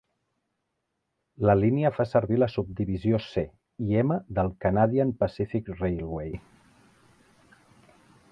La línia fa servir la subdivisió C i M del Canadian Pacific Railway.